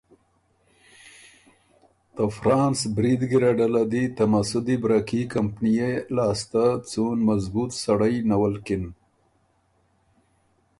ته فرانس برید ګیرډه له دی ته مسُودی برکي کمپنيې لاسته څُون مضبوط سړئ نَولکِن